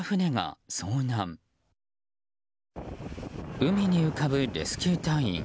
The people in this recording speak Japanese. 海に浮かぶレスキュー隊員。